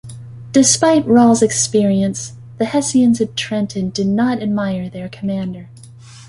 Despite Rall's experience, the Hessians at Trenton did not admire their commander.